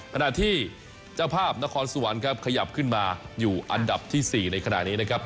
ขณะที่เจ้าภาพนครสวรรค์ครับขยับขึ้นมาอยู่อันดับที่๔ในขณะนี้นะครับ